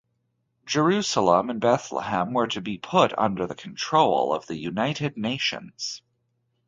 Jerusalem and Bethlehem were to be put under the control of the United Nations.